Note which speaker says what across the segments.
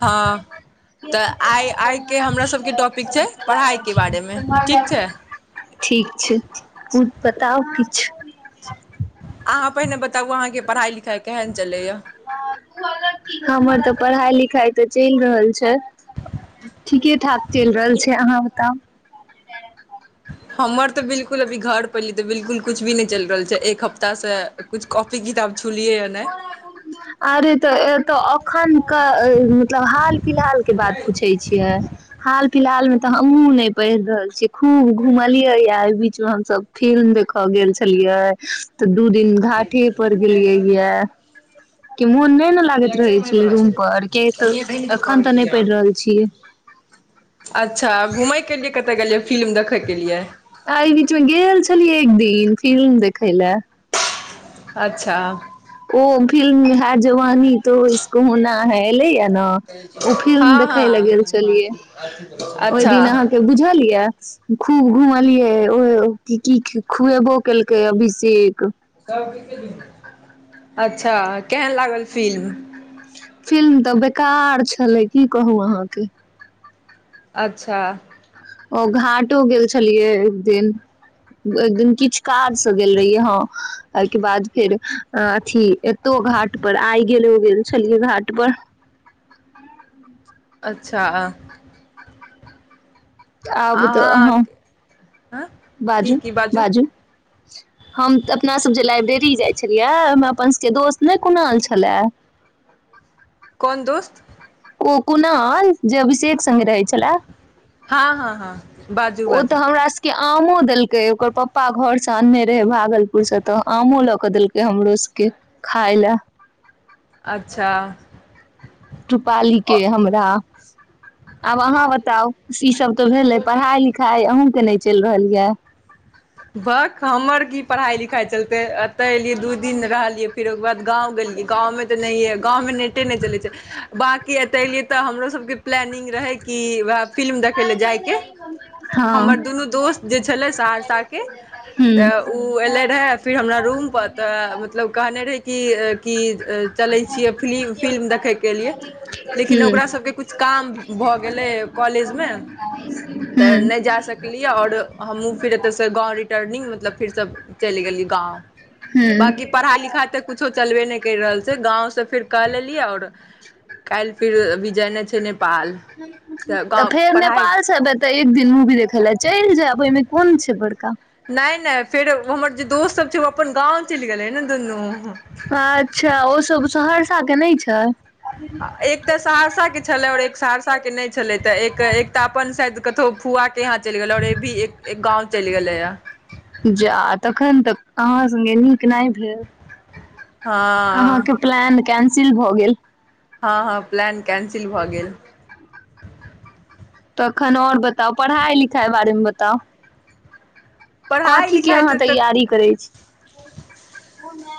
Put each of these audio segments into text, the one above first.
Speaker 1: हँ तऽ आइ आइके हमरा सभके टॉपिक छै पढ़ाइके बारेमे ठीक छै
Speaker 2: ठीक छै बताउ कि छ
Speaker 1: अहाँ पहिने बताबू अहाँके पढ़ाई लिखाई केहन चल य
Speaker 2: हमर तऽ पढ़ाइ लिखाइ तऽ चलि रहल छै ठीके ठाक चलि रहल छै अहाँ बताउ।
Speaker 1: हमर तऽ बिलकुल अभी घर पली तऽ बिलकुल कुछ भी नहि चलि रहल छै एक हफ्ता से कुछ कॉपी किताब छुलियैए नहि
Speaker 2: आरे तऽ ए तऽ अखन का मतलब हाल फिलहाल के बात पूछै छियै। हाल फिलहाल में तऽ हमहुँ नहि पढ़ि रहल छीियै खूब घूमलियै या एहि बीच में हमस फिल्म देखऽ गेल छलियै त। दू दिन घाटे पर गेलियै म ल त
Speaker 1: अच्छा घूमयके लिए कतय गेलियै फिल्म देखयके लिए
Speaker 2: एहिइ बीचमे गेल छलिय एक दिन फिलम देखै ल।
Speaker 1: अच्छा
Speaker 2: ओ फिल्म है जवानी तो इसको होना है ले यार ओ फिल्म
Speaker 1: हँ
Speaker 2: देखै लए गेल
Speaker 1: हँ
Speaker 2: छलियै ओहि
Speaker 1: अच्छा
Speaker 2: दिन अहाँके बुझल ये। खूब घुमलियै ओ की खुएबो केलकै अभिषेक
Speaker 1: अच्छा केहन लागल फिल्म।
Speaker 2: फिल्म तऽ बेकार छलै की कहू अहाँके।
Speaker 1: अच्छा।
Speaker 2: ओ घाटो गेल छलियै एक दिन एक दिन किछ। काराज से गेल रहियै हँ। एहिके बाद फेर अथी एतौ घाट पर आइ गेल ओ गेल छलिय घाट पर
Speaker 1: अच्छा।
Speaker 2: आबू तऽ
Speaker 1: अहाँ
Speaker 2: अ
Speaker 1: की
Speaker 2: बाजू
Speaker 1: की
Speaker 2: बाजू हम अपना सब जे लाइब्रेरी जाइ छलियै ह अपन सबके दोस्त नहि कोनो आल छलै
Speaker 1: कोन दोस्त
Speaker 2: ओ कोुना जब से संग्ग रहै छलै
Speaker 1: हँ हँ हँ बाजू
Speaker 2: ओ
Speaker 1: बाजू
Speaker 2: तऽ हमरा सबके आमो देलकै ओकर पप्पा घर ने रहे भागलपुर से तऽ आमो लऽ के देलक हमरो सबके खााय लए
Speaker 1: अच्छा।
Speaker 2: रूपाली के हमरा ह। आब अहाँ बताउ ई सब तऽ भेले पढ़ाई लिखाई अहूँं के नहि चलि रहल यऽ
Speaker 1: बक हमर की पढ़ाई लिखाई चलते एते एलियै दू दिन रहलियै फेर ओकर बाद गांव गेलिए गांव में त नेई है गांव में नेटे नई चला छाई बाकी यति आइलिए त हमरा सबके प्लैनिंग रहई फिल्म देखे ले जाई के
Speaker 2: हँ
Speaker 1: हम दुनो दोस्त के चले छाई साथ साथ त
Speaker 2: हूँ
Speaker 1: रहर हम रूतलब कह की चलै
Speaker 2: हूँ
Speaker 1: छियै
Speaker 2: हूँ
Speaker 1: फिल्म देखैके लिए लेकिन ओकरा सबके किछु काम भऽ गेलै कॉलेजमे तऽ नहि जा सकलियै आओर हमहुँ फिर ए से गाँव रिटर्निङंग मतलब फेर सब चली गेलली गाँव बाकी पढ़ा लिखाइ तऽ कुछो चलबे नहि करहि रहल छै गाँं से फिर क लेलियै आओर कल फिर विजय ने तने
Speaker 2: तऽ फेर नेपाल छैब तऽ एक दिन मूवी देखे ले चलि जायब ओहिमे कोन छै बड़का
Speaker 1: नहि न फेर हमर जे दोस्त सब छै ओ अपन गाँंव चलि गेले ह ने दुनू
Speaker 2: अच्छा ओसभ सहरसाके नहि छै
Speaker 1: एक तऽ सहरसाके छलै आओर सहरसाके नहि छलै तऽ तऽ अपन शाय कतहु फुआ हाँ चल गेलै ओर भी एक गाँव चलि गेलै य
Speaker 2: जा तखन तऽ अहाँ सङ्गे नीक नहि भेल
Speaker 1: हँ
Speaker 2: आ प्लान सिल भऽ गेल
Speaker 1: हँ हँ प्लान कैंसिल भऽ गेल
Speaker 2: तखन आओर बताउ पढ़ाई लिखाइ बारेमे बताउ
Speaker 1: पढ़ाइ
Speaker 2: कथी के
Speaker 1: लिखाइ
Speaker 2: अहाँ
Speaker 1: तऽ
Speaker 2: तैयारी करै छी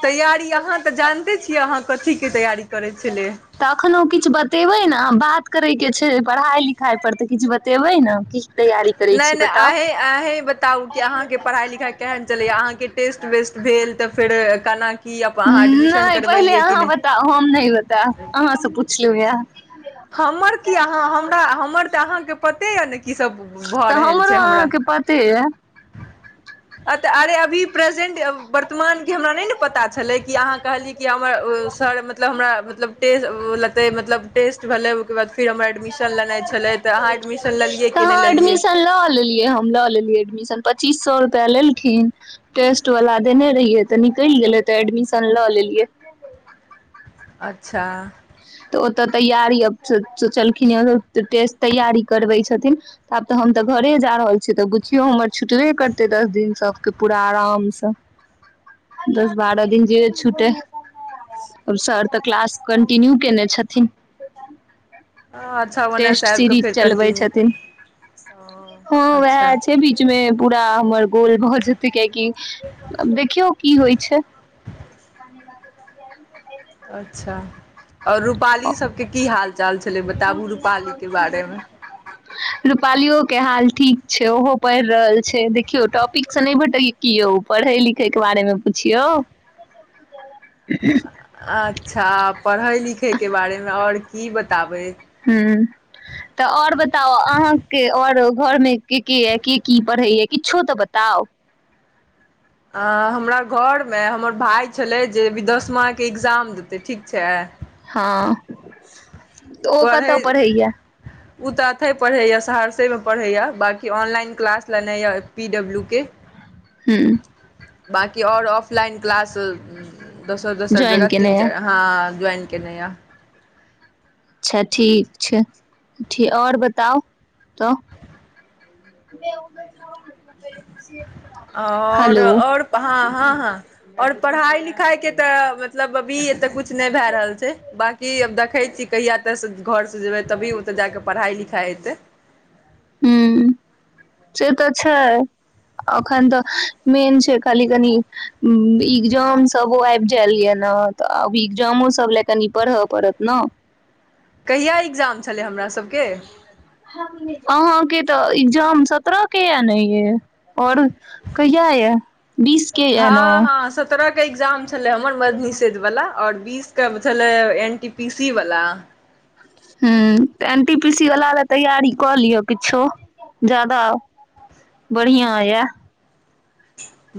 Speaker 1: तैयारी अहाँ तऽ जाने छ कथीके तैयारी करै छल
Speaker 2: तखनो किछु बतेबै ने बात करयके छै पढ़ाइ लिखाइ पर तऽ किछु बतेबै ने कि
Speaker 1: नहि नहि अह अही बताउ कि अहाँके पढ़ाइिाई केहन चलया अहाँ के टेस्ट वेस्ट भेल गेल तऽ फेर केना [unintelligible]
Speaker 2: नहि पहिले अहाँ बताउ हम नहि बतायब अहाँसँ पुछलहुँ यए
Speaker 1: पते य ने कि सब
Speaker 2: तऽ हमरो अहाँके पति
Speaker 1: अ तऽ अरे अभी प्रस प्रजेन्ट वर्तमानके हमरा नहि ने पता छलै कि अहाँ कहलियै कि हमर सर मतलब हमरा मतलब टे लेतै मतलब टस्ट भलै ओकर ब। फिर हमर एडमिशन लेइ छले त अहाँ एडमिशनियै कि नहि लेलियए।
Speaker 2: ल लेलियै हम लऽ लेलियै एडमिशन पच्चीस सए रूपआ लेलखिन टेस्ट वाल देने रहिै तऽ निकलि गेलै तऽ एडमिशन लऽ लेलियै
Speaker 1: अच्छा
Speaker 2: तऽ ओतऽ तैयारीब सोचलखिन टेट तैयारी करबै छथिन आब तऽ हम तऽ घरे जा रहल छीिय तऽ पुछिियौ हमर छुटबे करतै दस दिन सबके पूरा आराम से दस बारह दिन जे छुटे सर तऽ क्लास इनू केने छथिन।
Speaker 1: अच्छा ओन्नेसँ
Speaker 2: टेस्ट
Speaker 1: आबि कऽ
Speaker 2: सीरीज
Speaker 1: फेर
Speaker 2: चलबै
Speaker 1: कन्टिन्यू
Speaker 2: छथिन हँ उएह
Speaker 1: अच्छा
Speaker 2: छै बीचमे पूरा हमर गोल भऽ जेतै कियकि देखियौ की होइ छै।
Speaker 1: अच्छा आओर रुपाली सबके की हाल चाल छलै बताबु रुपाली के बारेमे
Speaker 2: रूपालियो के हाल ठीक छै ओहो पढ़ि रहल छै देखियौ टॉपिक से नहि भेटल क यौ पढ़ै लिखै के बारेमे पुछिियौ।
Speaker 1: आ। अच्छा पढ़ै लिखैके बारेमे आओर की बताबै।
Speaker 2: ह तऽ आओर बताउ अहाँके आओर घरमे के के यऽ के की पढ़ैए किछो तऽ बताउ।
Speaker 1: हमरा घरमे हमर भाय छलै जे दसमाके एकग्जाम देतै ठीक छै।
Speaker 2: हँ। ओ
Speaker 1: पढ़ै
Speaker 2: कतऽ पढ़ैय।
Speaker 1: ओ तऽ अते पढ़ैएा सहरसेमे पढ़ैए बाँकी ऑनलाइन क्लास लेनाइ यऽ पी डब्ल्यू के।
Speaker 2: हँ।
Speaker 1: बकी आऔर ऑफलाइन क्लास। दसर दसर
Speaker 2: ज्वाइन
Speaker 1: जग तीन
Speaker 2: केने य
Speaker 1: चार हँ ज्वइ केनया।
Speaker 2: अच्छा ठीक छै ठीक आओर बताउ तऽ।
Speaker 1: आओर
Speaker 2: हेलो
Speaker 1: आओर कहाँ हँ हँ और पढ़ाई लिखाई के तऽ मतलब अभी एऽ कुछ। किछु नहि भए रहल छै बकी। की आब देखै छीिय कहिआा तऽ घरसँ जेबै तभी ओतऽ जा कऽ पढ़ाइ लिखाइ हेतै।
Speaker 2: ह से तऽ छै अखन तऽ मेन छै खाली कनि। एक्जाम सब जायिये ने तऽ आब एग्जामो सब लए कनि पढ़य पड़त ने
Speaker 1: कहिया एकग्जाम छलै हमर सभके
Speaker 2: ओ के तऽ एग्जाम सत्ररह के य ने ये और कहिया य बीस के य ने
Speaker 1: हँ
Speaker 2: ह
Speaker 1: हँ सत्ररह के एग्जाम छल हमर मद निषेध वाला। आओर बीस के छलै एन टी पी सी वला।
Speaker 2: ह्म तऽ एन टी पी सी वला लए तैयरीी कऽ लिअ किछो ज्यादा बढ़िआँ यए।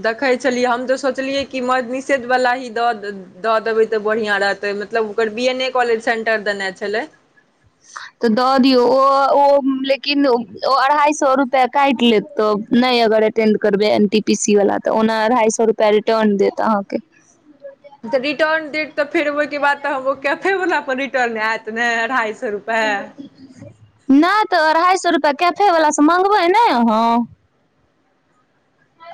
Speaker 1: देखै छलियै हम तऽ सोचलियै कि मद निषेधवला ही दऽ दऽ देबै तऽ बढ़िआँ रहतै मतलब ओकर B N A college centre देने छलै।
Speaker 2: तऽ दऽ दियौ ओ ओ लेकिन ओ अढ़ाइ सए रुपैआ काटि लेत तऽ नहि अगर अटेंड करबै एन टी पी सी वला तऽ ओना अढ़ाइ सए रुपैआ रिटर्न देत अहाँके।
Speaker 1: तऽ रिटर्न देत तऽ फेर ओहिके बाद तऽ हम ओ कैफे वला पर रिटर्न आयत अढ़ाइ सए रुपैआ
Speaker 2: न तऽ अइ सए रुपआ कैफे वलाास से मगबै ने अहाँ।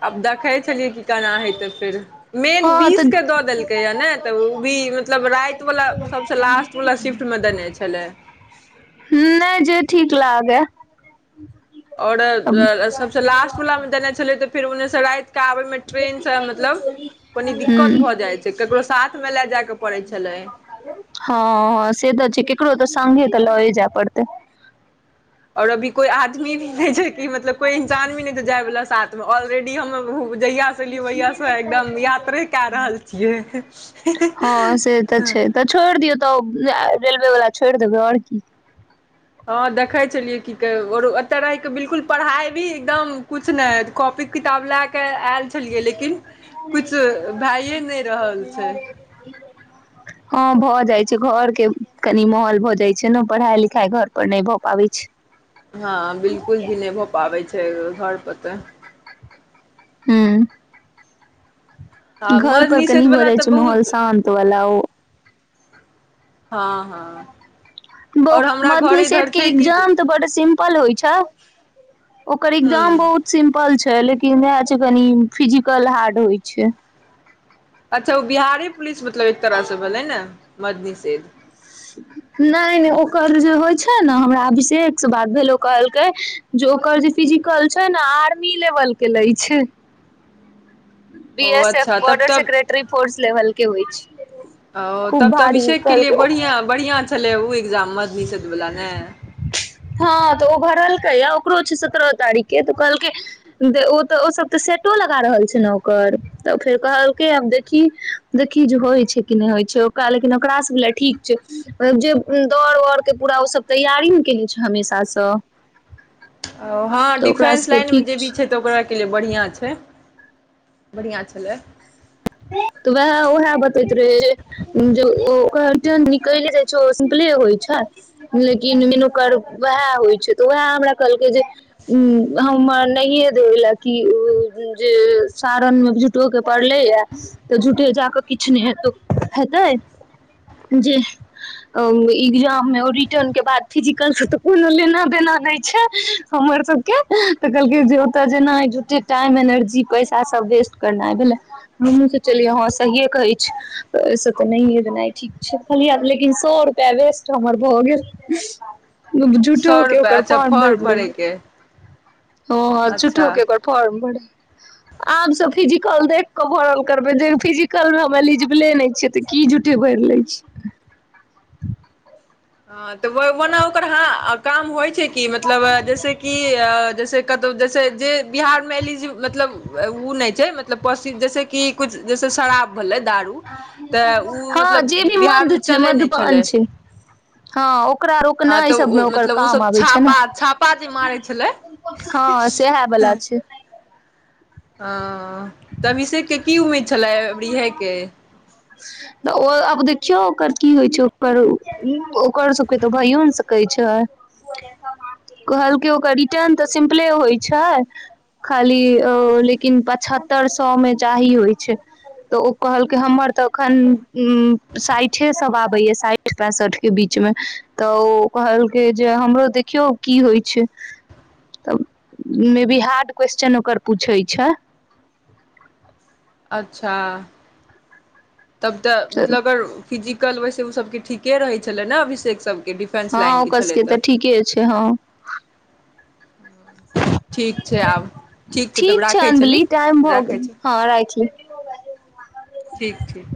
Speaker 1: आब देखै छलियै कि केना हेतै फेर, मेन
Speaker 2: हँ तऽ
Speaker 1: बसकेँ दऽ देलकैए ने तऽ ओ भी मतलब राति वला सभसँ लास्ट वला शिफ्टमे देने छलै।
Speaker 2: क लागे
Speaker 1: ओड
Speaker 2: अब हूं
Speaker 1: सबस लास्ट वला मे देना छलै तऽ फिर ओन्ने सगाय आबै मे ट्रेनसँ मतलब कनि दिक्कत भऽ जाइ छै ककरो साथमे लए जायके पड़ै छलै।
Speaker 2: सगे तऽ लॉय जा पड़तै।
Speaker 1: रबी कोई आदमी भी नई जे की कोई इंसान भी नई छै जय वाला साथ मे ऑलरेडी हम जहिया गाएली उहिया से एकदम यात्रे के आ रहल छीये।
Speaker 2: हँ से तऽ छै तऽ छोड़ि दियौ तऽ रेलवे वालला छोड़ि देबै आओर की।
Speaker 1: हँ देखै छलियै की कह, आओर ओतय रहहिके बिलकुल पढ़ाइ भी एकदम किछु नहि कॉपी किताब लए कऽ आयल छलियै लेकिन किछु भए नहि रहल छै
Speaker 2: हँ, बोहोत जाइ छै घर के कनि माहौल भऽ जाय छै ने, पढ़ाई लिखाई घर पर नहि भए पाबै छै।
Speaker 1: हँ, बिलकुल भी नहि भऽ पाबै छै। घर पतऽ।
Speaker 2: हू।
Speaker 1: हँ
Speaker 2: घर
Speaker 1: मर्द
Speaker 2: पर कनी
Speaker 1: निषेध
Speaker 2: भऽ
Speaker 1: वला
Speaker 2: जाइ
Speaker 1: तऽ
Speaker 2: छै माहौल
Speaker 1: बहुत
Speaker 2: शान्त वला ओ
Speaker 1: हँ, हँ। आओर हमरा घर
Speaker 2: मधत
Speaker 1: इधर
Speaker 2: के
Speaker 1: छै कि
Speaker 2: एग्जाम तऽ बड सिम्पल होइ छै, ओकर
Speaker 1: हूँ
Speaker 2: एग्जाम बहुत सिम्पल छै। लेकिन नहि छै कनि फिजिकल हार्ड होइ छै।
Speaker 1: अच्छा ओ बिहारी पुिलिस मतलब एक तरह से भलै ने मदनी ते
Speaker 2: नहि नहि ओकर जे होइ छै ने हमरा अभिषेष से बात भेल ओ कहलकै जे ओकर जे फिजिकल छै ने आर्मी लेवलके लै छै।
Speaker 1: ओ
Speaker 2: बीएसएफ
Speaker 1: अच्छा तब
Speaker 2: बॉर्डर
Speaker 1: तब
Speaker 2: सेकेटरी फोर्स। लेवल के होइ छै।
Speaker 1: ओ,
Speaker 2: खूब
Speaker 1: तब तऽ
Speaker 2: भारी
Speaker 1: अभिषेक के लिए
Speaker 2: कहलकै
Speaker 1: बढ़िआँ बढ़िआँ छलै ओ एग्जाम मधनिषदवला ने।
Speaker 2: ओो छै सत्रह तारीख के तऽ कहलक ओ सब तऽ सेटो लगा रहल छै ने। ओकर तऽ फेर कहलकै आब देखी देखह जे होइ छै कि नहि होइ छै, ओकरा लेकिन ओकरासँ लए ठीक छै जे दौड़ उरके पूरा ओसभ तैयारी ने कने छै हमेशा सँ।
Speaker 1: ओ हँ,
Speaker 2: तऽ ओकरा
Speaker 1: डिफेंस
Speaker 2: सबके
Speaker 1: लाइन मे जे
Speaker 2: ठीक
Speaker 1: भी छै तऽ ओकरा के लिए बढ़िआँ छै। से बढ़िआँ छलै।
Speaker 2: तऽ वएह उएह बतैत निकले जाय छै ओ सिम्पले होइ छै, लेकिन मनुकर वएह होइ छै, तऽ उएह हमरा कहलकै जे उ हम नहिे देेल, किी उ जे सारन मे झूठो के पड़लेय तऽ झूठे जा कऽ किछु नहि हेत हेतै, जे एकग्जाममे रिटर्न के बाद फिजिकल तऽ कोनो लेना देना नहि छै हमर सभके तऽ कहलकै जे ओतय जेना झूठे टाइम एनर्जी पैसा सभ वेस्ट करनाइ भेलै। हमूँ सो चलियै हँ सहिए कहै छी, ओसँ तऽ नहिे देना ठीक छै कहल लेकिन सए रुपआ वेस्ट हमर भऽ गेल। झुटो
Speaker 1: सए
Speaker 2: के
Speaker 1: रुपैआ
Speaker 2: ओकर
Speaker 1: अच्छा
Speaker 2: फॉर्म भर ले
Speaker 1: भरयके
Speaker 2: रह। ह झूठो
Speaker 1: अच्छा
Speaker 2: के तखन, आब सब फिजी कल देख भरल करबै फिजिकल मे हम एलिजिबले नहि छियै तऽ की झूठे भरि ले छिय।
Speaker 1: ह, तऽ ओना ओकर ह काम होइ छै कि मतलब, जैसे कि जैसे, कतहु, जैसे जे बिहारमे, एल मतलब, ओ नहि छै, मतलब, पसि जैसेक किछु, जैसे शराब भेलै। दारू तऽ ओ
Speaker 2: हँ
Speaker 1: मतलब
Speaker 2: जे भी मध
Speaker 1: बिहारमे
Speaker 2: छै,
Speaker 1: चलै नहि
Speaker 2: मध्यपान
Speaker 1: छलै
Speaker 2: छै। हँ ओकरा,
Speaker 1: हँ
Speaker 2: रोकनाई
Speaker 1: तऽ
Speaker 2: सबमे,
Speaker 1: ओ
Speaker 2: ओकर
Speaker 1: मतलब
Speaker 2: काम
Speaker 1: ओसभ
Speaker 2: आबै छैला
Speaker 1: छापा छापा जे मारै छलै
Speaker 2: हँ सएह बला छै।
Speaker 1: ह हँ तनी सितीक की उम्मीद। छलै अबेरी होई के
Speaker 2: तऽ ओ आब देखियौ, ओकर की होइ छै, ओकर ओकर सबके तऽ भइयो ने सकैत छै, कहलके ओकर रिटर्न तऽ सिम्पले होइ छै, खाली लेकिन पचहत्तर सए मे चाही होइ छै। तऽ ओ कहलकै, हमर तऽ एखन साठिे सभ आबैए, साठि पैंसठिक के बीचमे, तऽ ओ कहलकै जे हमरो देखियौ की होइ छै, तऽ मे भी हार्ड क्वेेश्चन ओकर पूछैत छै।
Speaker 1: अच्छा! तब तऽ, मतलब अगर फिजिक कल वैसे ओ सबके ठीके रहै छलै ने, अभिषेक सब
Speaker 2: हँ ओकरसके तऽ ठीके छै, हँ।
Speaker 1: ठीक छै आब, ठीक छै, तब राखै छली,
Speaker 2: अञ्जलि टाइम भऽ
Speaker 1: राखै
Speaker 2: गेल
Speaker 1: छै,
Speaker 2: हँ राखि ली
Speaker 1: ठीक छै।